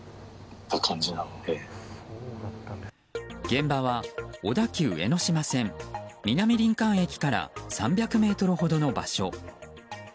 現場は、小田急江ノ島線南林間駅から３００ｍほどの場所。